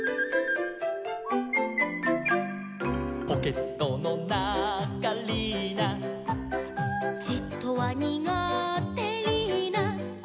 「ポケットのなかリーナ」「じっとはにがてリーナ」